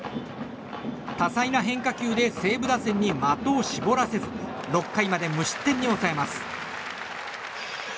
多彩な変化球で西武打線に的を絞らせず６回まで無失点に抑えます。